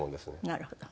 なるほど。